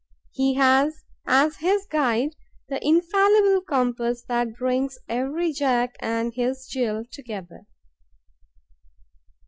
He has as his guide the infallible compass that brings every Jack and his Jill together.